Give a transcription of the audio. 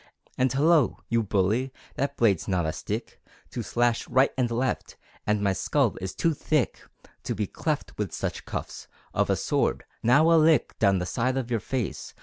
And hullo! You Bully! That blade's not a stick To slash right and left, And my skull is too thick To be cleft with such cuffs Of a sword. Now a lick Down the side of your face.